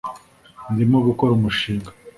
Ndimo gukora umushinga